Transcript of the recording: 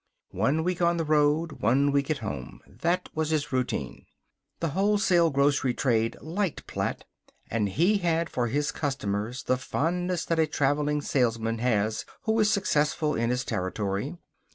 One week on the road, one week at home. That was his routine. The wholesale grocery trade liked Platt, and he had for his customers the fondness that a traveling salesman has who is successful in his territory.